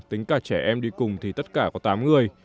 tính cả trẻ em đi cùng thì tất cả có tám người